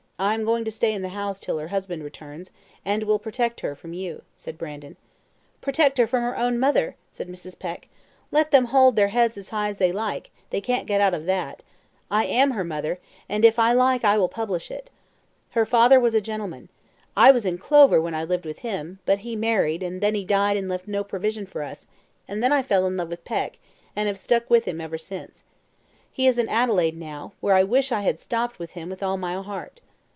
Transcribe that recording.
I am going to stay in the house till her husband returns, and will protect her from you," said Brandon. "Protect her from her own mother!" said Mrs. Peck. "Let them hold their heads as high as they like, they can't get out of that. I am her mother, and if I like I will publish it. Her father was a gentleman. I was in clover when I lived with him; but he married, and then he died and left no provision for us; and then I fell in with Peck, and have stuck by him ever since. He is in Adelaide now, where I wish I had stopped with him with all my heart.